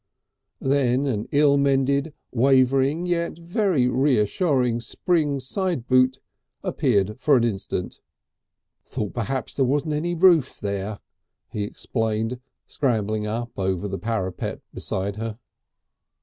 Then an ill mended, wavering, yet very reassuring spring side boot appeared for an instant. "Thought perhaps there wasn't any roof there!" he explained, scrambling up over the parapet beside her.